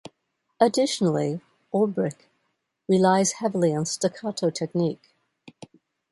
Additionally Olbrich relies heavily on staccato technique.